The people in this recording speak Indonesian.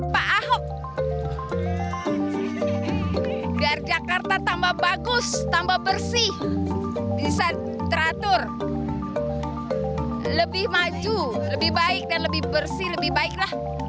pak ahok agar jakarta tambah bagus tambah bersih bisa teratur lebih maju lebih baik dan lebih bersih lebih baiklah